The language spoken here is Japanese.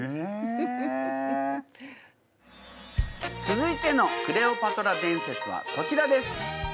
続いてのクレオパトラ伝説はこちらです。